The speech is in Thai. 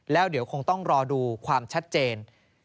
แล้วเดี๋ยวคงต้องรอดูความชัดเจน